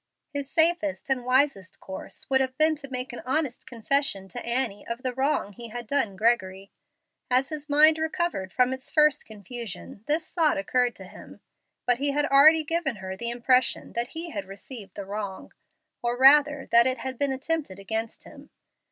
His safest and wisest course would have been to make an honest confession to Annie of the wrong he had done Gregory. As his mind recovered from its first confusion this thought occurred to him. But he had already given her the impression that he had received the wrong, or rather that it had been attempted against him.